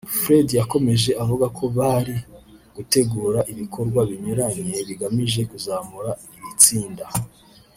Fred yakomeje avuga ko bari gutegura ibikorwa binyuranye bigamije kuzamura iri tsinda